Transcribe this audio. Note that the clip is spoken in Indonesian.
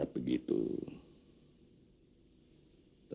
ketika cannot button ayun